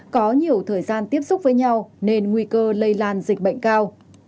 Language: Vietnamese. có nhiều thời gian tiếp xúc với nhau nên nguy cơ lây lan dịch bệnh cao